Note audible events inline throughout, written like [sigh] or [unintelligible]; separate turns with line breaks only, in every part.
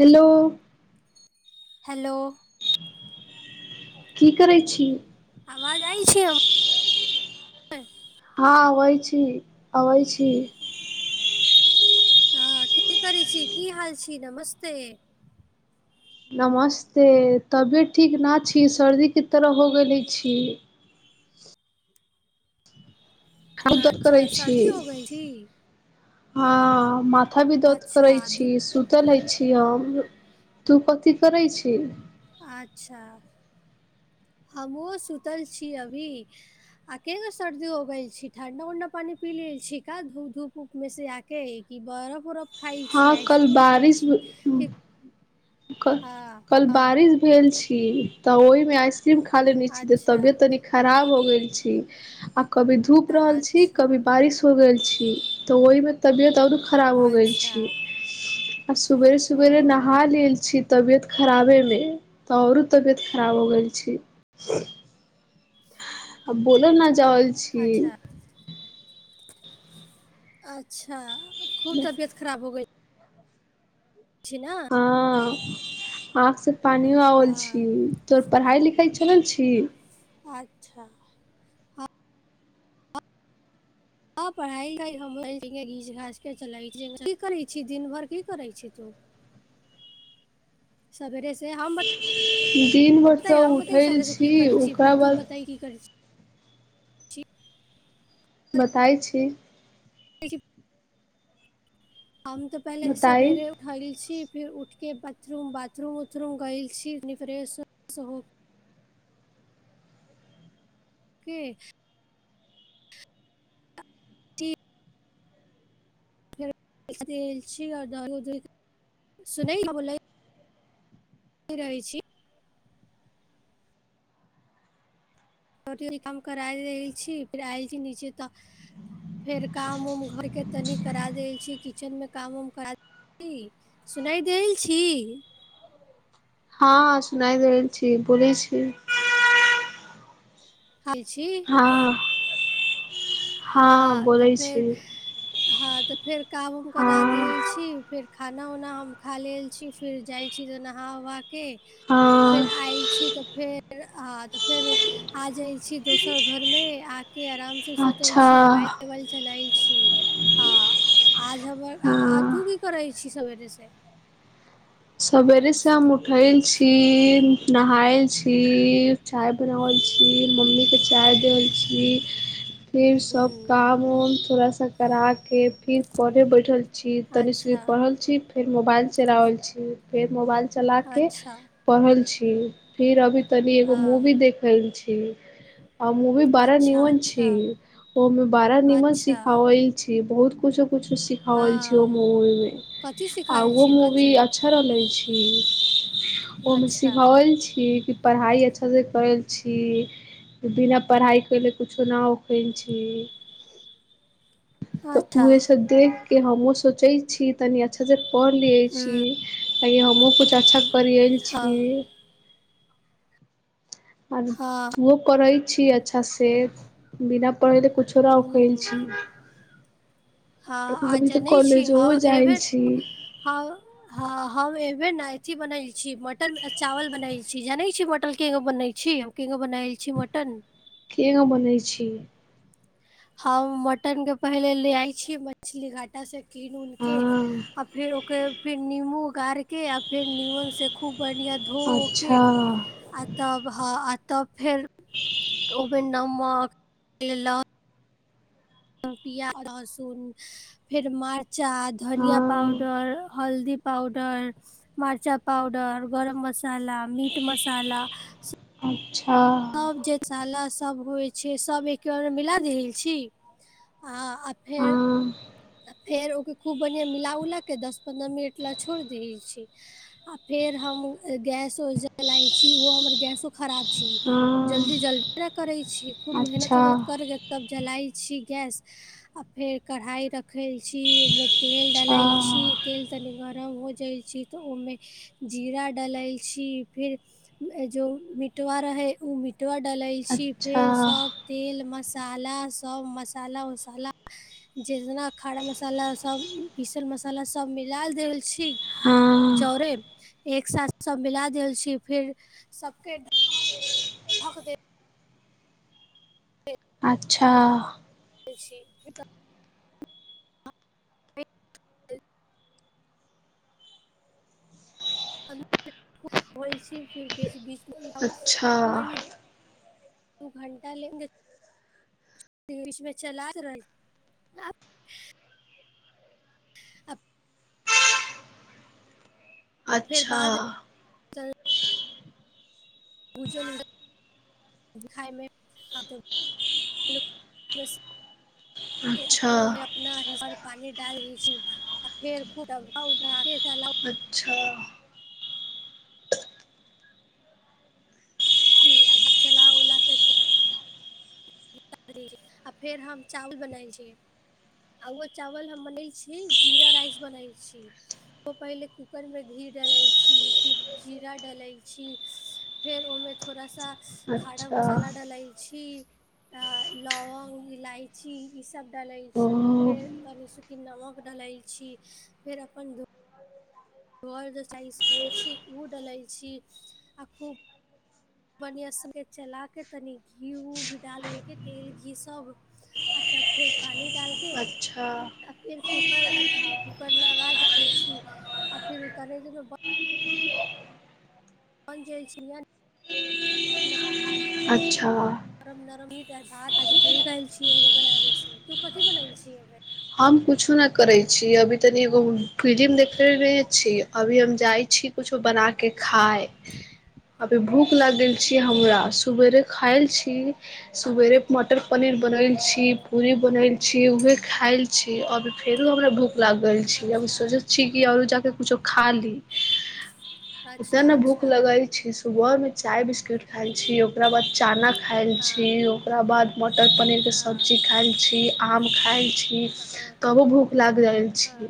Hello.
Hello.
की करैय छी?
आवाज आइ छियौ।
हां अबैय छी, अबैय छी
हां की करै छी, की हाल छी, नमस्ते
नमस्ते, तबियत ठीक ना छी, सर्दी के तरह हो गेले छी। आर की करै
अच्छा
छी
सर्दी हो गेल छी
हँ, माथा भी दर्द करै
अच्छा
छी
दु
सु चलै छी हम तु कथी करै छी
अच्छा, हमहुँ सुतल छी अभी आ केना सर्दी हो गेल छी, ठणडा उंडा पानी पी लेल छी का धू धूप उऊप मे से आके आ कि बरफ उरफ खाइ
हँ
छी,
कल
आइसक्रीम खाइ
बारिश
छी कि
क
हँ
कल
हँ।
बारिश भेल छी ओहि में आइसक्रीम खा लेने छी त
अच्छा
तबियत तनिक खराब हो गेल छी आ कभी धूप रहल छी
अच्छा
कभी बारिश हो गेल छी त ओहि मे तबियत औरो खराब हो गेल
अच्छा
छी। आ सबेरे
ओ
सबेरे नहा लेल छी तबियत खराबे मे त ओरो तबियत खराब हो गेल छी।
[inaudible]
आ बोल ने जाऊ।
अच्छा अच्छा खूब तबियत खराब हो गेल छै ना।
हां आंख से पानियो आओल
हँ
छी। तोहर पढ़ाई-लिखाई चलल छी।
अच्छा। हां पढ़ाई-लिखाई हम [unintelligible] ठीके घीच-घाच के चलै छी, की करै छी दिन भर की करै छी तू।
[inaudible]
सबेरे से हम
दिन भर तऽ
बतैयो हम बतैयो
उठल
सबेरे से
छी
की करै छी फिर
ओकरा
तू
बाद
बताई की करै छी।
बताई छी।
[unintelligible] हम तऽ पहले
बताइ
सबेरे उठल छी, फिर उठके बाथरूम बाथरूम-उथरूम गेल छी तनी फ्रेश-उरेश हो के टी फेर देल छीयो [unintelligible] सुनै का बोललै। रहै छी। [unintelligible] काम करा देल छी फेर आएल छी नीचे तऽ फेर काम-उम घर के तनी करा देल छी, किचेन मे काम-उम करा ई सुनाय देल छी।
हां सुनाय देल छी, बोली छी।
खाय छी।
हां, हां बोलै छी।
हां तऽ फेर काम-उम करा देल
हँ
छी, फेर खाना-उना हम खा लेल छी। फिर जाय छी तऽ नहा-उहा के फेर
हँ
आएल छी तऽ फेर हां तऽ फेर आ जाय छी दोसर घर मे आके अराम से सु तैल
अच्छा
छी, मुबाएल-उबाएल चलाएल छी। हां आज हमर आ
हँ
तू की करै छी सबेरे से।
सवेरे से हम उठैल छी, नहाएल छी। चाय बनावल छी, मम्मी के चाय देबल छी। फिर सब
हूँ
काम-उम थोड़ा सा कराके फिर पढ़े बैठल छी, तनी सनी
अच्छा
पढ़ल छी, फेर मोबाइल चलाबल छी, फेर मोबाइल चला कऽ
अच्छा
पढ़ल छी फिर अभी तनि एगो
हँ
मूवी देखल छी। आ मूवी बाड़ा
अच्छा
निमन
अच्छा
छी ओ मे बाड़ा नीमन
अच्छा
सिखावल छी, बहुत कुछो-कुछो सिखावल छी ओ
हँ
मूवी मे
कथी
आ
सिखायल
उहो
छी कथी
मूवी आ छा रहल छी, ओ मे
अच्छा
सिखावल छी कि पढ़ाई अच्छा से करैल छी। बिना पढ़ाई कैला कुछो ना होकैल छी। तऽ
अच्छा
उहे सब देख के हमहु सोचे छी तनी अच्छा से पढ़ लियै छी।
हूँ
कहियो हमु कुछ अच्छा करियल छी।
हँ
आर
हँ
तूहो पढ़ै छी अच्छा से, बिना पढ़ैले कुछ राउ कैल छी।
हां आ
अभी तऽ
जनै छी
कॉलेजो
हम ए
जाइ
बेर
छी
ना हां हां हम ए बेर नै एथी बनैल छी मटन चावल बनैल छी, जानै छी मटल के बनै छी। केगो बनाएल छी मटन।
केओ बोलै छी?
हम मटन पहिले ले आइ छी, मछली घाटा से किन उन के
हँ
आर फेर ओकरे फेर निम्बू गारके आ फेर नीमनसँ खूब बढ़िआँ धोेकै
अच्छा
तब ह आ तब फेर ओमे नमक द क प्याज लहसुन, फेर मरचा, धनिया
हँ
पाउडर पर हल्दी पाउडर मर्चा पाावडर, गरम मसाला, मीट मसाला
आ
और मशाला सब जे होइ छै सब एक मिला देल छी आ आ फेर
हँ
आ फेर ओकरा खूब बढ़िआं मिला उला क दस पन्द्रह मिनट ले छोड़ि दैत छी आ फेर हम गैसो जलाई छी ओहो हमर गैसो खराब छी।
हँ
जल्दी जलबे ना करै छी। खूब मेहनत
अच्छा
उहनत करके तब जलाइ छी गैस आ फेर कढ़ाइ रख ओहिमे तेल डालै छी तेल तनी गरम हो जाइ छी त ओहिमे जीरा डलाइ छी फिर उ जो मिटवा रहै ओ मिट ट डालै
अच्छा
छी
अच्छा
फेरसप तेल मसाला सब मसाला वसाला जेितना खरा मसाला सभ, पीसल मसाला सभ मिला देल छी
हँ
जड़े, एक साथ सब मिला देल छी फिर सबके [unintelligible] देल
अच्छा।
[inaudible] [inaudible] ल फिर बीचमे
अच्छा
[unintelligible] दू घण्टा ले, बीच मे चला रहै छलै। [inaudible] फेर
अच्छा।
बाद खायमे
अच्छा
फेर ओ नाहि पर पानी डाल दै छी आ फेर
अच्छा।
जी, आ चला ओला के त आ फेर हम चावल बनाय छियै आ ओ चावल हम बनैल छी, जीरा राइस बनैल छी। पहिले कूकरमे घी डालैत छी फिर जीरा डालैत छी। फेर ओमे थोड़ा सा खारा
अच्छा
मसाला डालै छी लौंग इलायची ई सब डालै
ओ
छी फेर दु तीनटा लौंग डालै छी फेर अपन [unintelligible] साइज होइ छी ओ डलै छी आ खूब मने से चलाके तनि घी उ भि डाल उलके तेेल घी सब आ तब फेर पानी डालके
अच्छा
आ फेर कूकर, कूकर लगा दै छी आ फिर उतारे बेर मे बन जाग छी ने
अच्छा।
[inaudible]
हम कुछो न करे छी, अभी तनी एगो फिलिम देखेले रहे छी अभी हम जाइ छी। कुछो बना के
अच्छा
खाय अभी भूख लगल
कथी
छी
कथी
हमरा। सुवेरे खाायल छी, सुवेरे मटर पनीर बनैल छी। पूरी बनेल छी उहे
हूँ
खायल छी अब फेरो हमरा भूख लागल छै, अब
अच्छा
सोचे। छी आऔर जाके कुछो खा ली उते
अच्छा
ने भूख
अच्छा
लगै छै। सुबह में चाय बिस्किट खायल छी ओकरा बाद चाना। खाइल
हँ
छी ओकराबाद मटर पनीरके
हँ
सब्जीज खाइल छी आम खाइ छी।
हँ
तबो भूख लागि जाइल
हँ
छी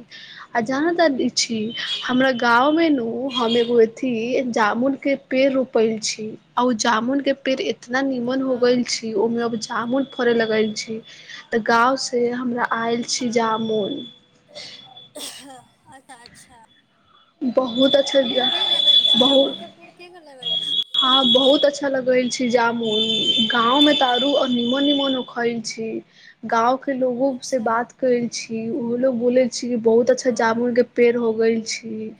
आ जहाँ तक। छी हमरा गाँवमें नु
हूँ
हम एगो। अथी जामुन के पेड़ रोपल छी आ ओ जामुन के पेड़ एत। ना निमन हो गेल
हँ
छी। जामुन फरह लगल छै, तऽ गांव से हमरा आइल। छी
हँ
जामुन।
अच्छा अच्छा।
बहुत अच्छा
के लगैल छी
बहुत
जामुन के पेड़ के लगैल छी
हँ बहुत अच्छा। अच्छा लगेल छै जामुन गांव में तारू आर
हूँ
निमन निमन उखल छी। गाँवके लोगो से
अच्छा
बात करै छी ओहो लोग बोलै छी बहुत अच्छा
हँ
जाामुन। पेड़ हो गेल छी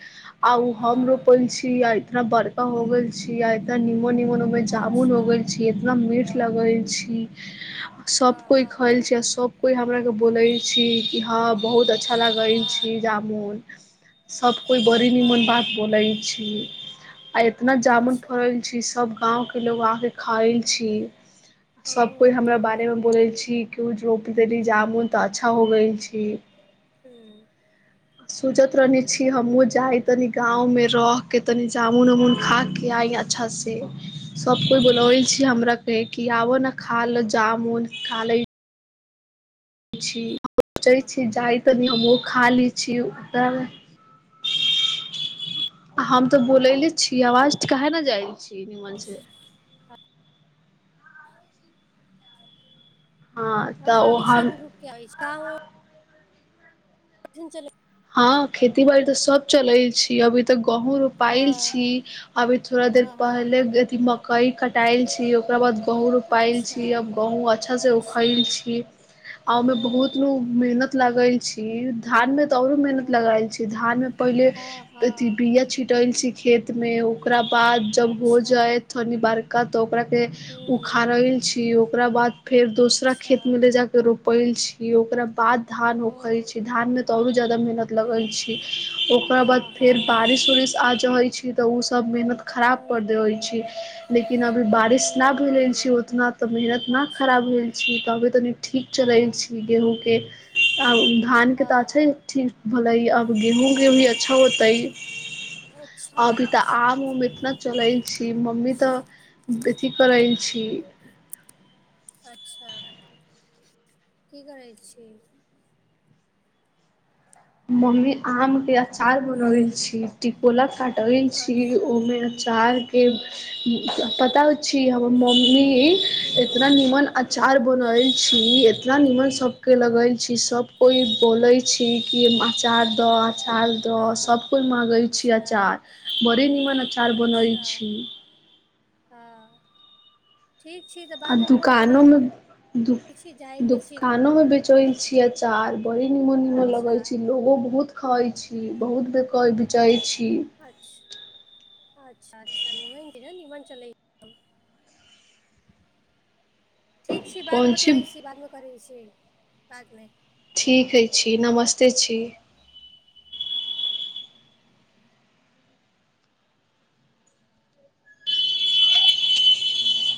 आ उ हम
हँ
रोपल छी आ इतना बड़का हो गेल। छीया एतऽ निमन निमन उ में जामुन होगल
अच्छा
छी इतना मीठ लगल छी। सब
हँ
कोइ
हँ
खयल छै आ सब कोइ हमरा के बोलै छी कि हँ बहुत अच्छा। अच्छा लगैल छी
हँ
जाामुन। सभ कोइ बड़ी निमन
हँ
बात बोलै छी। आ एतना जामुन
अच्छा
फड़ल छी सब गाँवके लोग आके खाइल छी। सभ कोइ हमरा
ओहो
बारेमे बोलै छी कओ रोपि देली जामुन तऽ अच्छा हो गेल छी।
ह।
सोचत रहनी छी हमहुँ जाय तनी गांव रह के तनी जामुन आमुन खा के आय। अच्छा से। सब कोइ बोलबे छी हमरा के खियाबऽ ने खा ले जामुन खा ले। सोचै छी जाइ। तनि हमहु खा लै छी ताबे। हम तऽ बोलले छी आवाज काहे न जाइ छी नीमन से।
हँ
तऽ ओ
आबे छै
हम
रूक-रुक आबे छै। [inaudible]
हँ खेती बाड़ी तऽ सब चलल छी अभी तऽ गहूंम रोपायल
हँ
छी। अभी थोड़ा देर
हँ हँ
पहले अथि मकई कटाल छी ओकरा बाद गहू। पायल
अच्छा
छी आब गहुंम अच्छासँ
अच्छा
उखैल छी। आ ओमे
हो
बहुत नु मेहनत लागल छी। धान में त औरो
ओ
मेहनत लागल छी, धान में पहिले
हँ
अथि
हँ
बिया छिटल छी। खेत मे ओकरा बाद जब हो
अच्छा
जाय नि बारका तऽ ओकरा। के
हूँ
उखाड़ल छी ओकरा बाद फेर दोसरा
अच्छा
खेत में ले जाक रोपल छी। कि ओकरा बाद धान उखै
ओ
छै धानमे तऽ आओरो जायदा मेहनत लगै छै। ओकरा बाद
हँ
फेर
हँ
बारिश उरिश आ जाइ छै तऽ ओ सब मेहनत कर। खराब
हूँ
कर देै छी। लेकिन अभी बारिश ना
हूँ
भेलइ
हूँ
छै उतना तऽ मेहनत ना
अच्छा
खराब भेल छी तऽ अभी तनि ठीक
हँ
चलै छी गेहूँ के आ उ धान के तऽ
हँ
अच्छा ठीक भलइ अब गेहूँ वेहूं भी अच्छा होतइ।
अच्छा
अभी तऽ
अच्छा
आम उम इतना चलै छी मम्मी तऽ बेथि करै छी।
अच्छा की करै छी?
मम्मी आम के अचार बनेबै छी। टिकोला काटबै छी
अच्छा
ओहिमे अचारके
हँ
पता छी हमर मम्मी एतना
हूँ
नीमन अचार
हूँ
बनबै छी एतना नीमन सब के
हँ
लगइ छी सभ कोइ बोलै छी कि अचार दऽ अचार तऽ
हँ
सब कोइ मांगै छी
अच्छा
अचार बड़ी नीमन अचार बनै छी।
हाॅं ठीक छी तऽ
आ दुकानो मे दुक
छी जायके छी
दुकानो मे बेच चै छि अचार बड़ी नीमन नीमन लगै
अच्छा
छै। लोगो बहुत खाइ छी बहुत बेकाय बिचाइ छी।
अच्छा अच्छा अच्छा नीमन नीमन चलै ठीक छी बादमे
कोन
बतबै
चीज
छी बादमे करै छी बादमे।
ठीक हइ छी नमस्ते छी।